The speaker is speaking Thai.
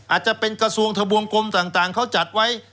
อาจจะเป็นกระทรวงทะบวงกลมต่างเขาจัดไว้